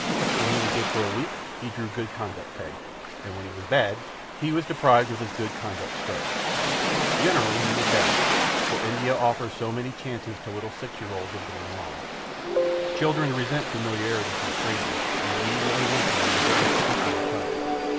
When he was good for a week, he drew good conduct pay; and when he was bad, he was deprived of his good conduct stripe. Generally he was bad, for India offers so many chances to little six year olds of going wrong. Children resent familiarity from strangers, and Wee Willie Winkie was a very particular child.